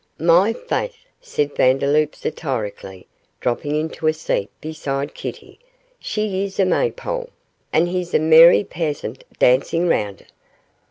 'My faith!' said Vandeloup, satirically, dropping into a seat beside Kitty, 'she is a maypole, and he's a merry peasant dancing round it.